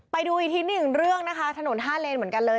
ไปดูอีกทีหนึ่งเรื่องนะคะถนนห้าเลนเหมือนกันเลย